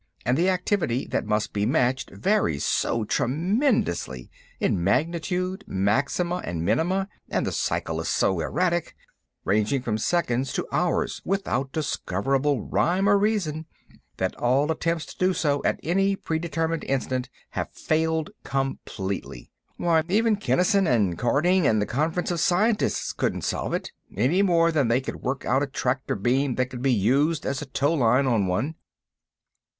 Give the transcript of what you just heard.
And the activity that must be matched varies so tremendously, in magnitude, maxima, and minima, and the cycle is so erratic—ranging from seconds to hours without discoverable rhyme or reason—that all attempts to do so at any predetermined instant have failed completely. Why, even Kinnison and Cardynge and the Conference of Scientists couldn't solve it, any more than they could work out a tractor beam that could be used as a tow line on one."